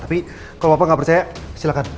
tapi kalau bapak gak percaya silahkan